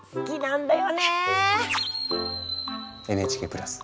ＮＨＫプラス